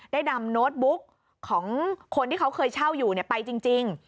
ได้นำโน้ตบุ๊กของคนที่เขาเคยเช่าอยู่ไปจริง